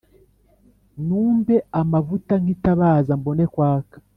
Numpe amavuta nk’itabaza mbone kwaka